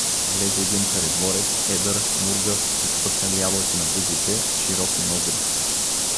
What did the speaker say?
Влезе един царедворец, едър, мургав, с изпъкнали ябълки на бузите, с широки ноздри.